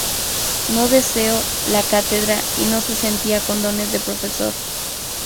No deseó la cátedra y no se sentía con dones de profesor.